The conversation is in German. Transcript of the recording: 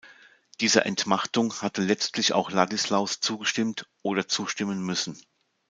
Dieser Entmachtung hatte letztlich auch Ladislaus zugestimmt oder zustimmen müssen.